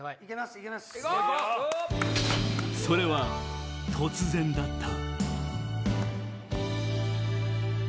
それは突然だった